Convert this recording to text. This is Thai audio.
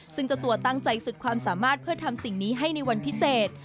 ซึ่งเจ้าตัวตั้งใจสุดความสามารถเพื่อทำสิ่งนี้ให้ในวันพิเศษ